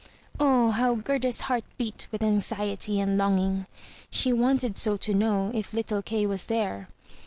O how Gerda's heart beat with anxiety and longing! She wanted so to know if little Kay was there.